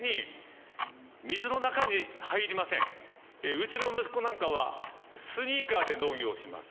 うちの息子なんかはスニーカーで農業をします。